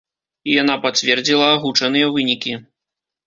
І яна пацвердзіла агучаныя вынікі.